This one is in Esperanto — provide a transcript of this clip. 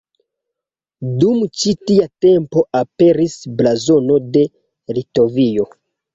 Dum ĉi tia tempo aperis Blazono de Litovio.